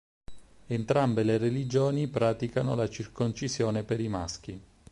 Entrambe le religioni praticano la circoncisione per i maschi.